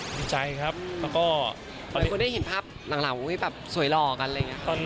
สุดท้ายครับคุณได้เห็นภาพหลังสวยหล่อกัน